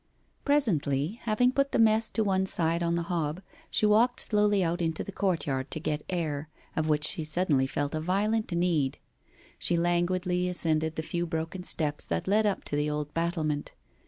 Presently, having put the mess to one side on the hob, she walked slowly out into the courtyard to get air, of which she suddenly felt a violent need. She languidly ascended the few broken steps that led up to the old battlement.